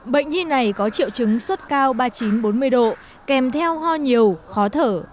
bệnh nhi này có triệu chứng sốt cao ba mươi chín bốn mươi độ kèm theo ho nhiều khó thở